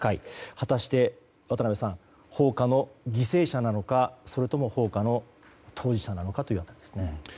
果たして、渡辺さん放火の犠牲者なのかそれとも放火の当事者なのかという話ですね。